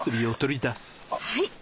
はい。